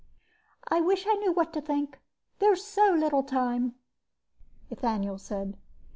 "I wish I knew what to think. There's so little time," Ethaniel said.